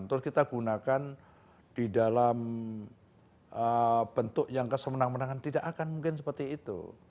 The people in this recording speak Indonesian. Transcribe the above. terus kita gunakan di dalam bentuk yang kesemenang menangan tidak akan mungkin seperti itu